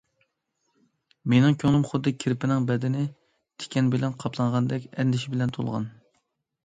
مېنىڭ كۆڭلۈم خۇددى كىرپىنىڭ بەدىنى تىكەن بىلەن قاپلانغاندەك ئەندىشە بىلەن تولغان.